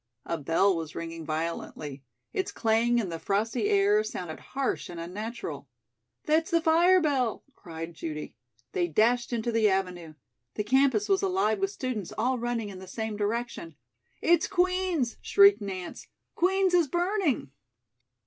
A bell was ringing violently. Its clang in the frosty air sounded harsh and unnatural. "That's the fire bell," cried Judy. They dashed into the avenue. The campus was alive with students all running in the same direction. "It's Queen's," shrieked Nance. "Queen's is burning!"